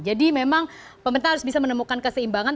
jadi memang pemerintah harus bisa menemukan keseimbangan